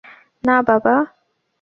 না, বাবা।